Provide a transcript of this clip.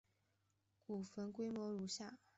古坟规模如下。